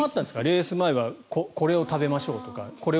レース前はこれをしましょうとか。